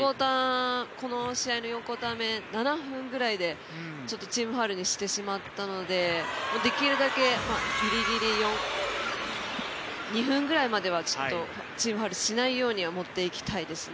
この試合の４クオーター目７分ぐらいでチームファウルにしてしまったのでできるだけギリギリ２分ぐらいまではチームファウルしないようにもっていてきたいです。